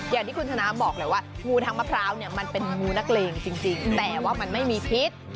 อย่างที่คุณชนะบอกแหละว่างูทางมะพร้าวเนี่ยมันเป็นงูนักเลงจริงแต่ว่ามันไม่มีพิษ